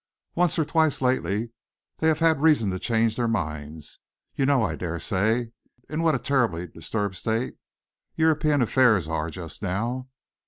Once or twice lately they have had reason to change their minds. You know, I dare say, in what a terribly disturbed state European affairs are just now.